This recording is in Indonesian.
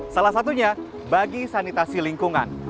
salah satunya bagi sanitasi lingkungan